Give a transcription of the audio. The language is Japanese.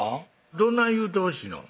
どない言うてほしいの？